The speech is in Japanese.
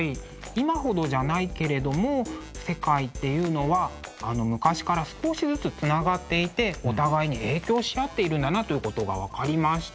今ほどじゃないけれども世界っていうのは昔から少しずつつながっていてお互いに影響し合っているんだなということが分かりました。